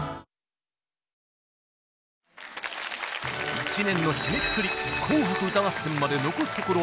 一年の締めくくり「紅白歌合戦」まで残すところ